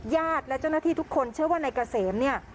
ญาติและเจ้าหน้าที่ทุกคนเชื่อว่านายเกษมเนี่ย